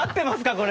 これ。